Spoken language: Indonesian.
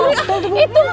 itu fitnah buah